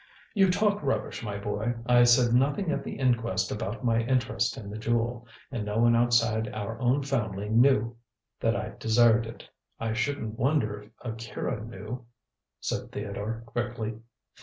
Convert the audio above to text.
"You talk rubbish, my boy. I said nothing at the inquest about my interest in the jewel, and no one outside our own family knew that I desired it. "I shouldn't wonder if Akira knew," said Theodore quickly.